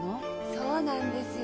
そうなんですよ。